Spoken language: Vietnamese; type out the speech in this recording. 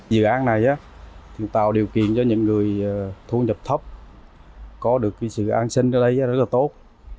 dự án này tạo điều kiện cho những người thu nhập thấp có được sự an sinh ở đây rất là tốt